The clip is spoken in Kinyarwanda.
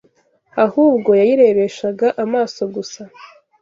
ahubwo yayirebeshaga amaso gusa